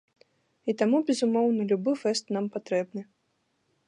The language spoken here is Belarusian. І таму, безумоўна, любы фэст нам патрэбны.